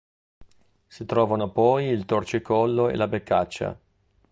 Si trovano poi il torcicollo e la beccaccia.